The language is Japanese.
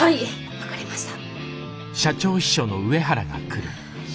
分かりました。